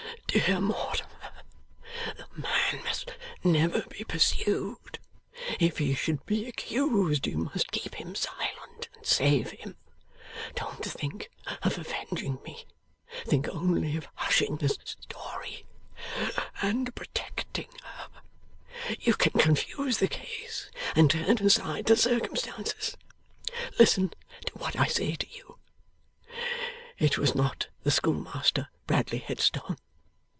Dear Mortimer, the man must never be pursued. If he should be accused, you must keep him silent and save him. Don't think of avenging me; think only of hushing the story and protecting her. You can confuse the case, and turn aside the circumstances. Listen to what I say to you. It was not the schoolmaster, Bradley Headstone.